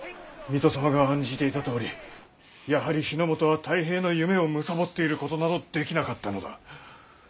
水戸様が案じていたとおりやはり日の本は太平の夢を貪っていることなどできなかったのだ。